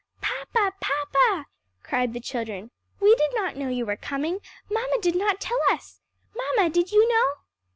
"Papa! papa!" cried the children, "we did not know you were coming; mamma did not tell us. Mamma, did you know?"